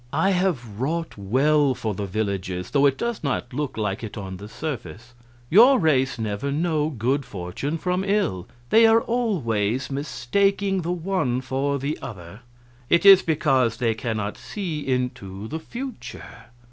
"I have wrought well for the villagers, though it does not look like it on the surface. Your race never know good fortune from ill. They are always mistaking the one for the other. It is because they cannot see into the future.